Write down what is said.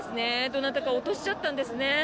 どなたか落としちゃったんですね。